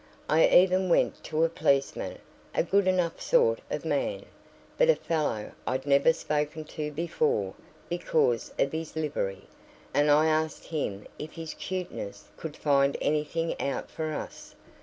I even went to a policeman, a good enough sort of man, but a fellow I'd never spoke to before because of his livery, and I asks him if his 'cuteness could find any thing out for us.